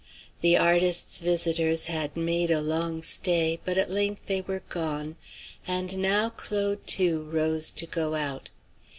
The artist's visitors had made a long stay, but at length they were gone. And now Claude, too, rose to go out.